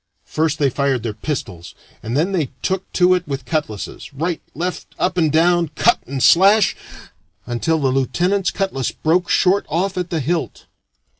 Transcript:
First they fired their pistols, and then they took to it with cutlasses right, left, up and down, cut and slash until the lieutenant's cutlass broke short off at the hilt.